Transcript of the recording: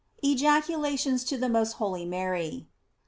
* EJACULATIONS TO THE MOST HOLY MARY.